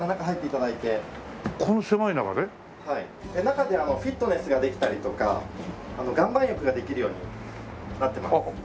中ではフィットネスができたりとか岩盤浴ができるようになってます。